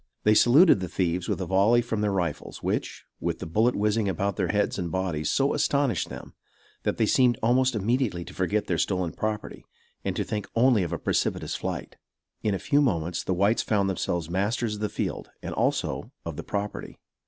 They saluted the thieves with a volley from their rifles, which, with the bullet whizzing about their heads and bodies, so astonished them, that they seemed almost immediately to forget their stolen property, and to think only of a precipitous flight. In a few moments, the whites found themselves masters of the field, and also of the property.